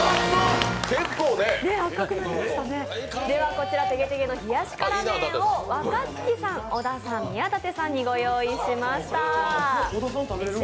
ではこちらてげてげの冷やし辛麺を若槻さん、小田さん、宮舘さんにご用意いたしました。